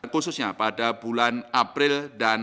khususnya pada bulan april dan